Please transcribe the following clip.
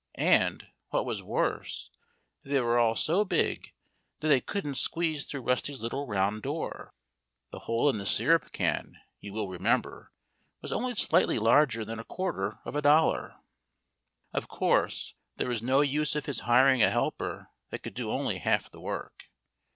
And, what was worse, they were all so big that they couldn't squeeze through Rusty's little round door. (The hole in the syrup can, you will remember, was only slightly larger than a quarter of a dollar.) Of course, there was no use of his hiring a helper that could do only half the work.